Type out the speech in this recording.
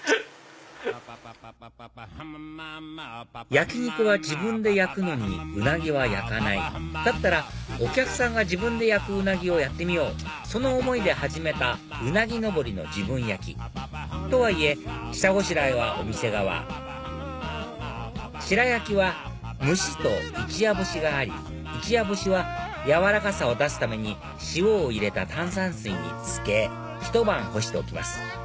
焼き肉は自分で焼くのにウナギは焼かないだったらお客さんが自分で焼くウナギをやってみようその思いで始めたウナギノボリの自分焼きとはいえ下ごしらえはお店側白焼きは蒸しと一夜干しがあり一夜干しは軟らかさを出すために塩を入れた炭酸水に漬けひと晩干しておきます